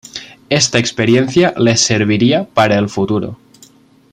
Esta experiencia le serviría para el futuro.